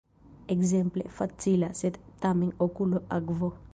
Ekzemple: "facila, sed, tamen, okulo, akvo".